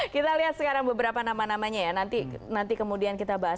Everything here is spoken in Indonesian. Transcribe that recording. kita lihat sekarang beberapa nama namanya ya nanti kemudian kita bahas